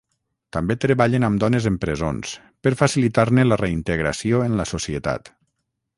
També treballen amb dones en presons, per facilitar-ne la reintegració en la societat.